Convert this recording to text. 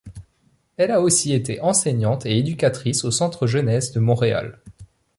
Elle a aussi été enseignante et éducatrice au Centre jeunesse de Montréal.